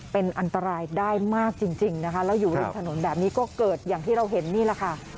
เป็นอันตรายได้มากจริงนะคะแล้วอยู่ริมถนนแบบนี้ก็เกิดอย่างที่เราเห็นนี่แหละค่ะ